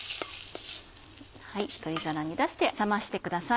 取り皿に出して冷ましてください。